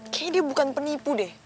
ki dia bukan penipu deh